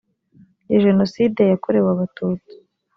jenoside yakorewe abatutsi